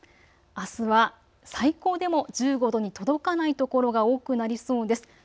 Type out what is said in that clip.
あすは最高でも１５度に届かない所が多くなりそうです。